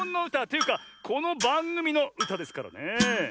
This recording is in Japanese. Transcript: というかこのばんぐみのうたですからねえ。